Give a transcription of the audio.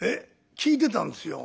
聴いてたんですよ。